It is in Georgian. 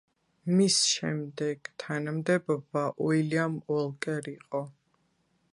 მის შემდეგ თანამდებობა უილიამ უოლკერ იყო.